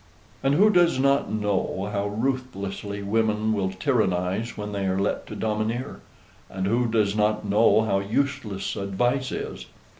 And who does not know how ruthlessly women will tyrannize when they are let to domineer? and who does not know how useless advice is?